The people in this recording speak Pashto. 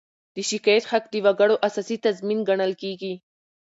د شکایت حق د وګړو اساسي تضمین ګڼل کېږي.